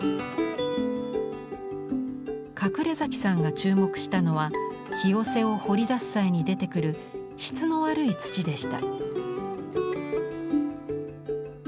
隠さんが注目したのはひよせを掘り出す際に出てくる質の悪い土でした。